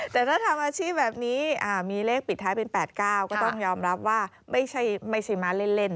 แต่ถ้าทำอาชีพแบบนี้มีเลขปิดท้ายเป็น๘๙ก็ต้องยอมรับว่าไม่ใช่มาเล่น